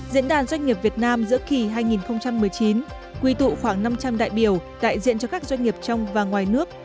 diễn đàn doanh nghiệp việt nam giữa kỳ hai nghìn một mươi chín quy tụ khoảng năm trăm linh đại biểu đại diện cho các doanh nghiệp trong và ngoài nước